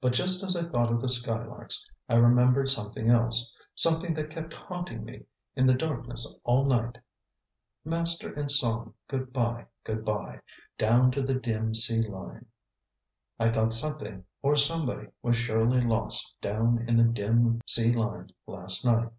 But just as I thought of the skylarks, I remembered something else; something that kept haunting me in the darkness all night "'Master in song, good by, good by, Down to the dim sea line ' I thought something or somebody was surely lost down in 'the dim sea line' last night."